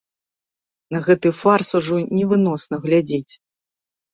На гэты фарс ужо невыносна глядзець.